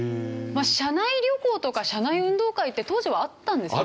社内旅行とか社内運動会って当時はあったんですよね。